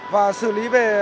và xử lý về